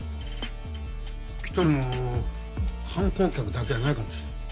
来とるの観光客だけやないかもしれん。